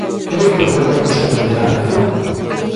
Cre que os Gobernos aprenderán a lección?